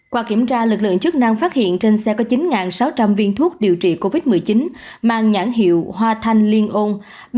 qua kiểm tra lực lượng chức năng phát hiện trên xe có chín sáu trăm linh viên thuốc điều trị covid một mươi chín mang nhãn hiệu hoa thanh liên ôn